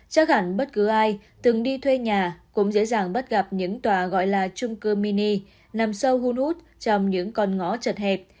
chắc hẳn bất cứ ai từng đi thuê nhà cũng dễ dàng bắt gặp những tòa gọi là trung cư mini nằm sâu hun út trong những con ngõ chật hẹp